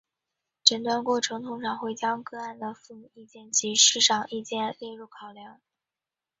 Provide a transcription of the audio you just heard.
诊断过程通常会将个案的父母意见及师长意见列入考量。